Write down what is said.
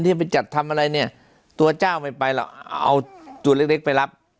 ที่ไปจัดทำอะไรเนี่ยตัวเจ้าไม่ไปหรอกเอาตัวเล็กไปรับ